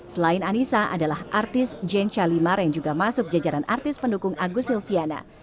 selain anissa adalah artis jane shalimar yang juga masuk jajaran artis pendukung agus silviana